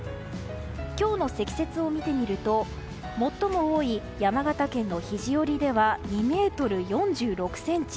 今日の積雪を見てみると最も多い山形県の肘折では２ｍ４６ｃｍ。